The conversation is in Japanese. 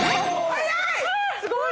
速い！